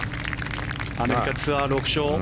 アメリカツアー６勝。